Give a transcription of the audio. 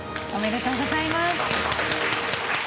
おめでとうございます。